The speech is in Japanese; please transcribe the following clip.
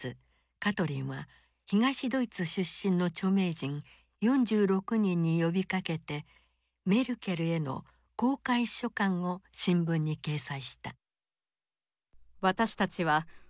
カトリンは東ドイツ出身の著名人４６人に呼びかけてメルケルへの公開書簡を新聞に掲載した。